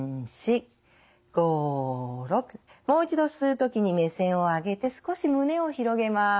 もう一度吸う時に目線を上げて少し胸を広げます。